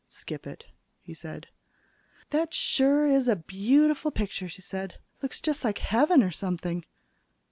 "Skip it," he said. "That sure is a beautiful picture," she said. "Looks just like heaven or something."